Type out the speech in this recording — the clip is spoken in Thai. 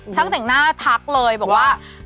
แต่งหน้าทักเลยบอกว่า